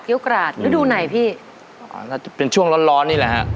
กราศฤดูไหนพี่อ่าน่าจะเป็นช่วงร้อนร้อนนี่แหละฮะ